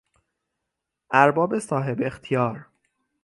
ارباب صاحب اختیار